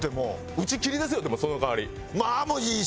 打ち切りですよでもその代わり。